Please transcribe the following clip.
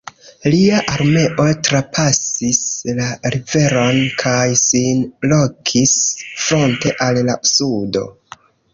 Lia armeo trapasis la riveron kaj sin lokis fronte al la sudo.